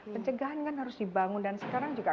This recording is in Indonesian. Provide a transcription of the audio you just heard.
pencegahan kan harus dibangun dan sekarang juga